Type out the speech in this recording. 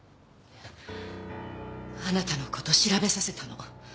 あなたのこと調べさせたの。